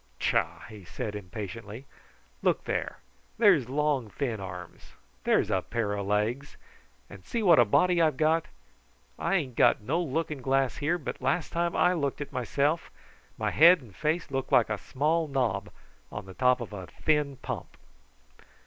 "Tchah!" he cried impatiently. "Look there there's long thin arms! There's a pair of legs! And see what a body I've got. I ain't got no looking glass here, but last time I looked at myself my head and face looked like a small knob on the top of a thin pump."